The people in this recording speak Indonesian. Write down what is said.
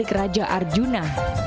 dari kerajaan arjuna